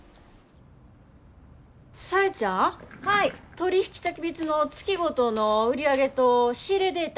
取引先別の月ごとの売り上げと仕入れデータ